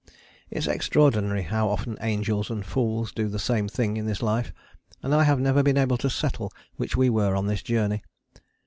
It is extraordinary how often angels and fools do the same thing in this life, and I have never been able to settle which we were on this journey.